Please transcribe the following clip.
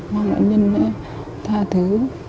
ngoan nạn nhân đã tha thứ